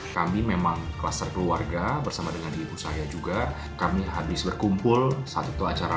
kami memang kluster keluarga bersama dengan ibu saya juga kami habis berkumpul saat itu acara